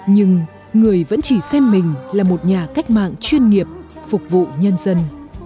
nhưng người vẫn chỉ xem mình là một nhà cách mạng chuyên nghiệp phục vụ nhân dân